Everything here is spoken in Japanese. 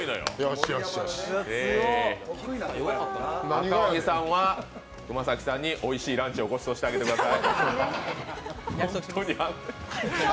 赤荻さんは熊崎さんにおいしいランチをごちそうしてあげてください。